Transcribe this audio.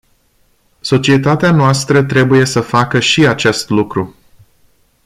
Societatea noastră trebuie să facă și acest lucru.